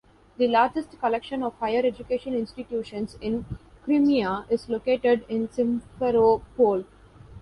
The largest collection of higher education institutions in Crimea is located in Simferopol.